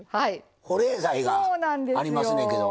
保冷剤がありますねんけど。